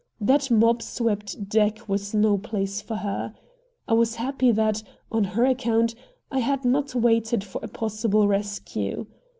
That mob swept deck was no place for her. I was happy that, on her account, I had not waited for a possible rescue.